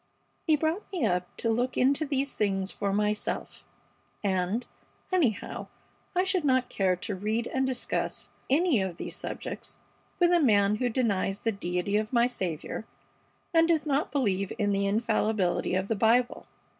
He brought me up to look into these things for myself. And, anyhow, I should not care to read and discuss any of these subjects with a man who denies the deity of my Saviour and does not believe in the infallibility of the Bible.